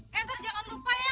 kenker jangan lupa ya